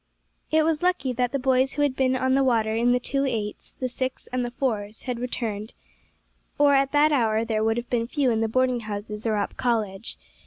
It was lucky that the boys who had been on the water in the two eights, the six, and the fours, had returned, or at that hour there would have been few in the boarding houses or up College.